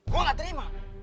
gua nggak terima